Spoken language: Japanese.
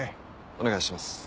お願いします。